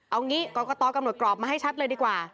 เอางี้กรกตกำหนดกรอบมาให้ชัดเลยดีกว่า